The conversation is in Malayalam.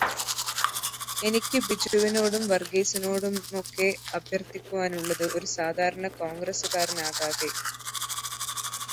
എനിക്ക് ബിജുവിനോടും വർഗീസിനോടുമൊക്കെ അഭ്യർത്ഥിക്കുവാനുള്ളത് ഒരു സാധാരണ കോൺഗ്രസ്സുകാരനാകാതെ